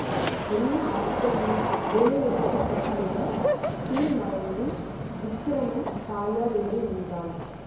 என்ன ஆச்சரியம் வேலை எடுத்துக் குத்தியதும் கிளி மறைந்து, விக்கிரமன் தாயார் எதிரே நின்றாள்.